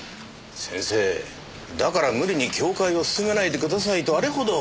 先生だから無理に教誨を勧めないでくださいとあれほど。